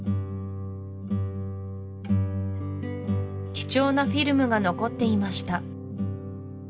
貴重なフィルムが残っていました